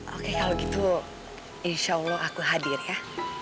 oke kalau gitu insya allah aku hadir ya